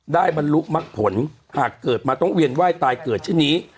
บรรลุมักผลหากเกิดมาต้องเวียนไหว้ตายเกิดเช่นนี้